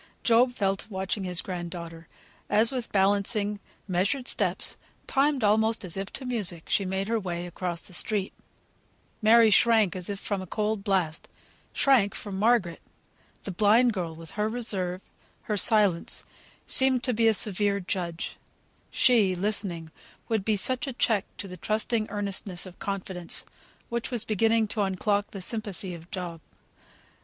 Job fell to watching his grand daughter, as with balancing, measured steps, timed almost as if to music, she made her way across the street. Mary shrank as if from a cold blast shrank from Margaret! The blind girl, with her reserve, her silence, seemed to be a severe judge; she, listening, would be such a check to the trusting earnestness of confidence, which was beginning to unlock the sympathy of Job.